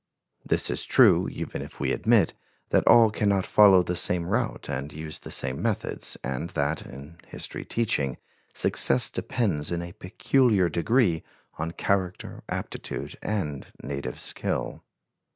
This is true even if we admit that all can not follow the same route and use the same methods, and that, in history teaching, success depends in a peculiar degree on character, aptitude, and native skill.